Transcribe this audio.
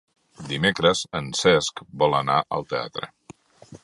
Dimecres en Cesc vol anar al teatre.